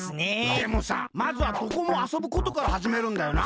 でもさまずはどこもあそぶことからはじめるんだよな。